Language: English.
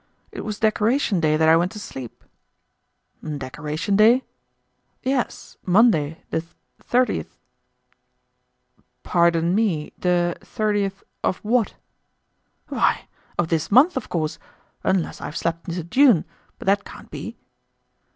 It was Decoration Day that I went to sleep." "Decoration Day?" "Yes, Monday, the 30th." "Pardon me, the 30th of what?" "Why, of this month, of course, unless I have slept into June, but that can't be."